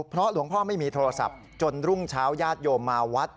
เพราะหลวงพ่อไม่มีโทรศัพท์จนรุ่งเช้าญาติโยมมาวัด